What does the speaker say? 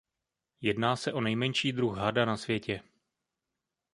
Jedná se o nejmenší druh hada na světě.